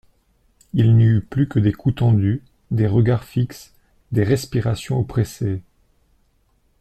Il n'y eut plus que des cous tendus, des regards fixes, des respirations oppressées.